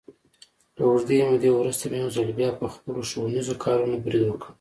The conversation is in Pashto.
له اوږدې مودې ورسته مې یو ځل بیا، په خپلو ښوونیزو کارونو برید وکړ.